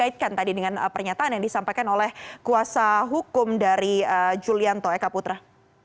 kaitkan tadi dengan pernyataan yang disampaikan oleh kuasa hukum dari julianto eka putra